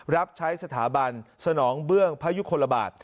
รับใช้สถาบันสนองเบื้องพระยุคลบาท